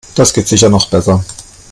Das geht sicher noch besser.